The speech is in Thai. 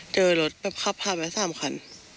เจอรถขับผ่านแม่๓คัน